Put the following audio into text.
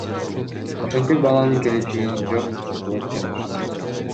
Ошентип баланын келечегин жок кылып жатышат.